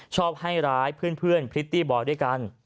ชอบให้ร้ายเพื่อนพริตตี้บอยด้วยกัน